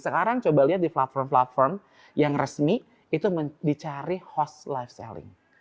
sekarang coba lihat di platform platform yang resmi itu dicari host life selling